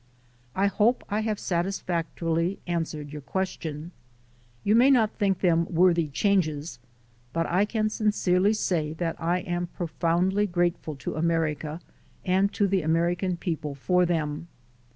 I hope I have satisfactorily answered your question. You may not think them 294THE SOUL OF AN IMMIGRANT worthy changes, but I can sincerely say that I am profoundly grateful to America and to the American people for them.